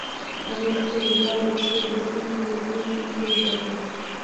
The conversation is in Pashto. هغې خپلې دواړه پښې د سيند په اوبو کې کېښودې.